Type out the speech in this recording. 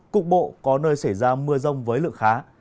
cục bộ có nơi xảy ra mưa rông với lượng khá